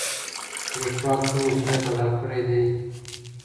لیکوال خپل مسؤلیت ادا کړی دی.